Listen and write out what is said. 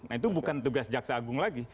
nah itu bukan tugas jaksa agung lagi